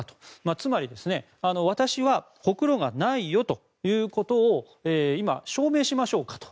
つまり私はほくろがないよということを今、証明しましょうかと。